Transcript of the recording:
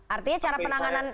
artinya cara penanganan